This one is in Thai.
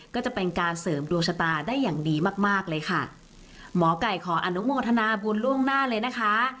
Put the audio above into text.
ก็จะเป็นการเสริมดวงชะตาได้อย่างดีมากมากเลยค่ะหมอไก่ขออนุโมทนาบุญล่วงหน้าเลยนะคะ